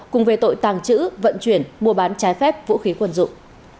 cùng về tội tàng trữ vận chuyển mua bán trái phép vũ khí quần dụng